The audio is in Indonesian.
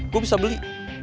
gue bisa beli